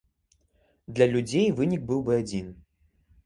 Для людзей вынік быў бы адзін.